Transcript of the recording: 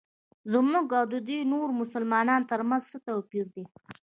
زموږ او ددې نورو مسلمانانو ترمنځ څه توپیر دی.